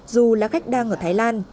dù là khách đang ở thái lan